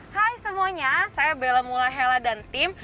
hai semuanya saya bella mula hela dan tim